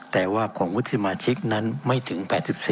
แต่ว่าของวุฒิสมาชิกนั้นไม่ถึง๘๔